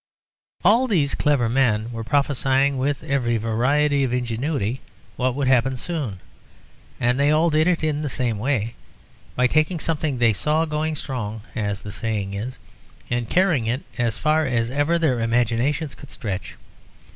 All these clever men were prophesying with every variety of ingenuity what would happen soon, and they all did it in the same way, by taking something they saw "going strong," as the saying is, and carrying it as far as ever their imagination could stretch.